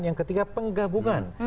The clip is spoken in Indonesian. yang ketiga penggabungan